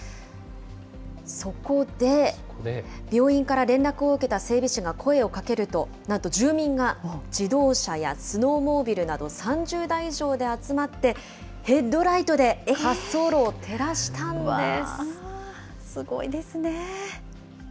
そこで、病院から連絡を受けた整備士が声をかけると、なんと住民が自動車やスノーモービルなど３０台以上で集まって、ヘッドライトで滑走路を照らしたんです。